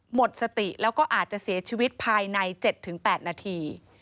หมดสติแล้วก็อาจจะเสียชีวิตภายใน๗๘นาที